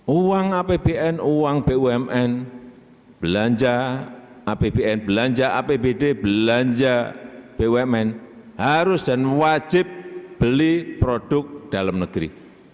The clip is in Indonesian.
uang apbn uang bumn belanja apbn belanja apbd belanja bumn harus dan wajib beli produk dalam negeri